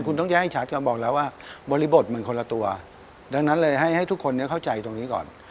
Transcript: คุณต้องแยกให้ชัดก่อนบอกแล้วว่าบริบทมันคนละตัวดังนั้นเลยให้ทุกคนเข้าใจตรงนี้ก่อน